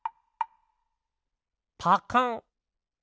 パカン。